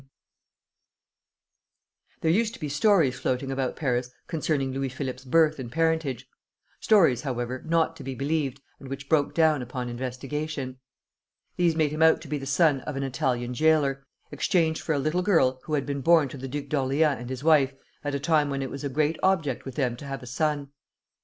[Footnote 1: My father was present, and often told the story] There used to be stories floating about Paris concerning Louis Philippe's birth and parentage, stories, however, not to be believed, and which broke down upon investigation. These made him out to be the son of an Italian jailer, exchanged for a little girl who had been born to the Duke of Orleans and his wife at a time when it was a great object with them to have a son.